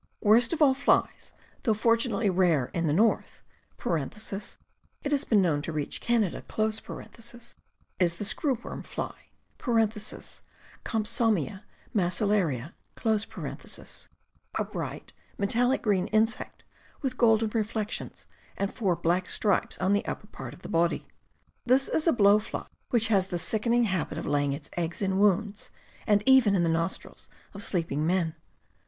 Worst of all flies, though fortunately rare in the North (it has been known to reach Canada), is the _. screw worm fly (Compsomyia macel laria), a bright metallic green insect with golden reflections and four black stripes on the upper part of the body. This is a blow fly which has the sickening habit of laying its eggs in wounds, and even in the nostrils of sleeping men.